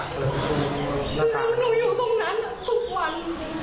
คือหนูอยู่ตรงนั้นทุกวัน